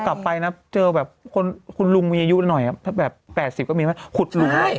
กลับไปนะเจอแบบคุณลุงมีอายุหน่อยถ้าแบบ๘๐ก็มีไหมขุดหลุม